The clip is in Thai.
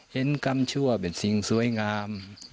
เห็นกำชั่วเป็นสิ่งสวยงาม